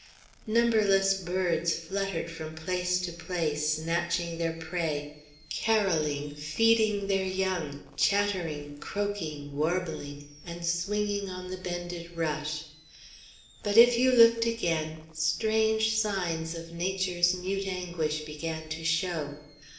Numberless birds fluttered from place to place, snatching their prey, carolling, feeding their young, chattering, croaking, warbling, and swinging on the bending rush. But if you looked again, strange signs of nature's mute anguish began to show.